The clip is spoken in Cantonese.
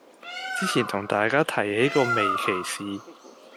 之前同大家提起過微歧視